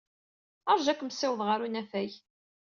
Ṛju ad kem-ssiwḍeɣ ɣer unafag.